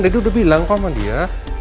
daddy udah bilang kamu sama dia